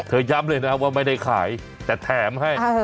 ย้ำเลยนะว่าไม่ได้ขายแต่แถมให้